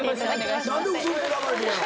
何でウソで選ばれてんやろ？